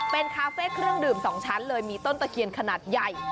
เป็นคาเฟ่เครื่องดื่ม๒ชั้นเลยมีต้นตะเคียนขนาดใหญ่